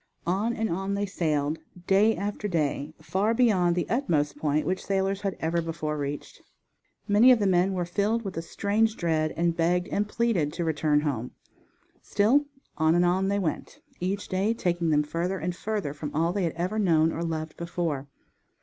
On and on they sailed, day after day far beyond the utmost point which sailors had ever before reached. Many of the men were filled with a strange dread and begged and pleaded to return home. Still on and on they went, each day taking them further and further from all they had ever known or loved before.